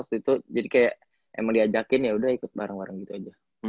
waktu itu jadi kayak emang diajakin yaudah ikut bareng bareng gitu aja